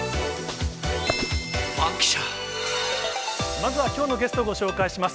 まずはきょうのゲストをご紹介します。